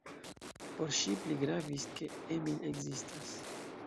Por ŝi pli gravis, ke Emil ekzistas.